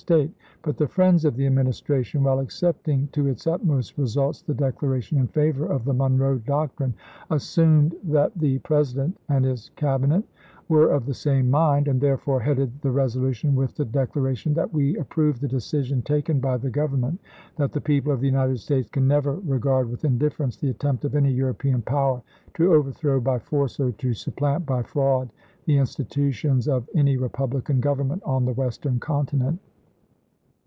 State ; but the friends of the Administration, while accepting to its utmost results the declaration in favor of the Monroe Doctrine, assumed that the President and his Cabinet were of the same mind, and therefore headed the resolution with the decla ration, " That we approve the decision taken by the Government that the people of the United States can never regard with indifference the attempt of any European power to overthrow by Raymond, force or to supplant by fraud the institutions of any Abraham Republican Government on the Western continent."